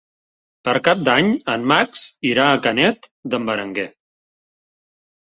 Per Cap d'Any en Max irà a Canet d'en Berenguer.